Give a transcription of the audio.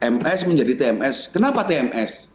ms menjadi tms kenapa tms